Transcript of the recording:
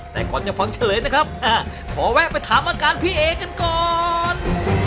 แต่ก่อนจะฟังเฉลยนะครับขอแวะไปถามอาการพี่เอกันก่อน